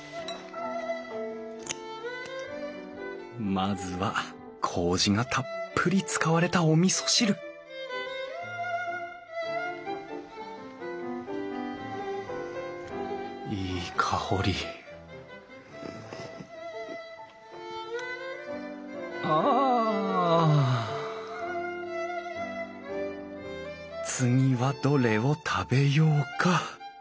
まずはこうじがたっぷり使われたおみそ汁いい香りあ次はどれを食べようか。